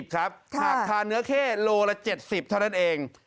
หากทานเนื้อเข้โลละ๗๐เท่านั้นเอง